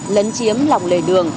lấn chiếm lòng lề đường